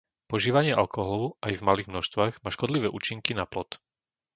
Požívanie alkoholu, aj v malých množstvách, má škodlivé účinky na plod.